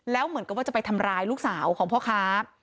แล้วเหมือนกับว่าจะไปทำร้ายลูกสาวของพ่อค้า